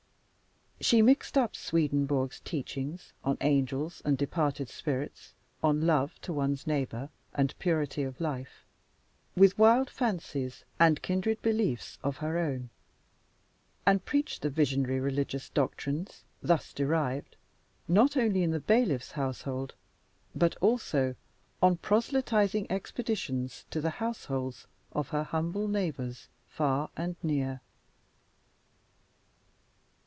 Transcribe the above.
She mixed up Swedenborg's teachings on angels and departed spirits, on love to one's neighbor and purity of life, with wild fancies, and kindred beliefs of her own; and preached the visionary religious doctrines thus derived, not only in the bailiff's household, but also on proselytizing expeditions to the households of her humble neighbors, far and near.